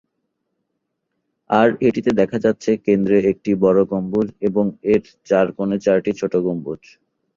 আর এটিতে দেখা যাচ্ছে কেন্দ্রে একটি বড় গম্বুজ এবং এর চারকোণে চারটি ছোট গম্বুজ।